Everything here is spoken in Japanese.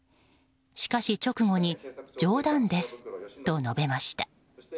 しかし、直後に冗談ですと述べました。